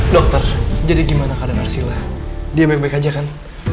dokter jadi gimana keadaan arsila dia baik baik aja kan